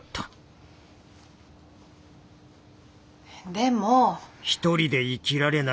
でも。